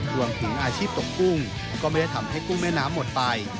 รวมถึงอาชีพตกกุ้งก็ไม่ได้ทำให้กุ้งแม่น้ำหมดไป